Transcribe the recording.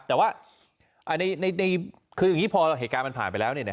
แต่ว่าคืออย่างนี้พอเหตุการณ์มันผ่านไปแล้ว